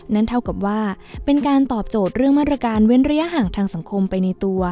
นั่นเท่ากับว่าเป็นการตอบโจทย์เรื่องมาตรการเว้นระยะห่างทางสังคมไปในตัว